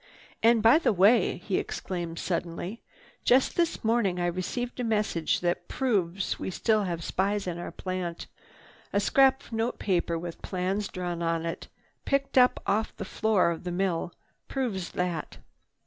"And by the way!" he exclaimed suddenly. "Just this morning I received a message that proves we still have spies in our plant. A scrap of note paper with plans drawn on it, picked up off the floor of the mill, proves that.